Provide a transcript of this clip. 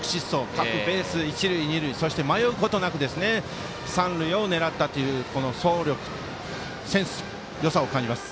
各ベース、一塁二塁迷うことなく三塁を狙ったという走力センスを感じます。